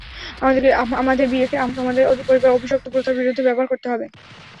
আমাদের বিয়েকে তোমাদের পরিবারের অভিশপ্ত প্রথার বিরুদ্ধে ব্যবহার করতে হবে।